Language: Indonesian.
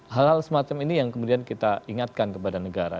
hal hal semacam ini yang kemudian kita ingatkan kepada negara